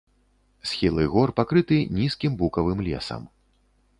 Схілы гор пакрыты нізкім букавым лесам.